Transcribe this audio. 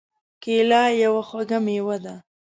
کېله یو خوږ مېوه ده.